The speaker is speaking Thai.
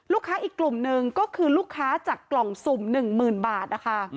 ลูกค้าอีกกลุ่มนึงก็คือลูกค้าจากกล่องสุ่ม๑หมื่นบาท